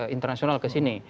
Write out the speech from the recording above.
internasional ke sini